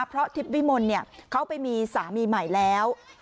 เพราะทิพย์วิมลเขาไปมีสามีใหม่แล้ว